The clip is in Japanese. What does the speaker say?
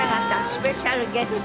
スペシャルゲスト。